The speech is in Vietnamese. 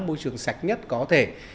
môi trường sạch nhất có thể